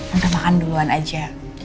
udah makan duluan aja